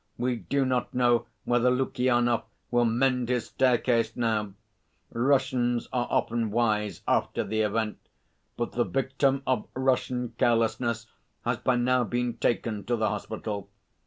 We do not know whether Lukyanov will mend his staircase now, Russians are often wise after the event, but the victim of Russian carelessness has by now been taken to the hospital.